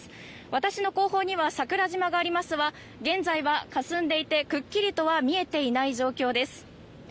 私の後方には桜島がありますが現在はかすんでいてくっきりとは見えていない状況です。